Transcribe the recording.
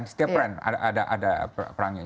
setiap perang ada perangnya